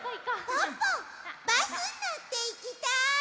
ポッポバスにのっていきたい！